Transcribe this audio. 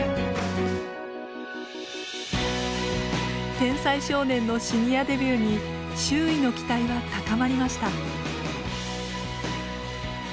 天才少年のシニアデビューに周囲の期待は高まりました。